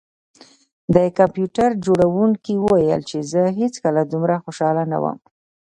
د کمپیوټر جوړونکي وویل چې زه هیڅکله دومره خوشحاله نه وم